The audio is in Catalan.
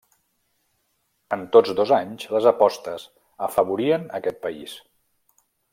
En tots dos anys, les apostes afavorien aquest país.